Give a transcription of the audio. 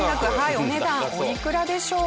お値段おいくらでしょう？